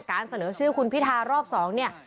เสนอชื่อคุณพิทารอบ๒เนี่ย